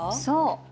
そう。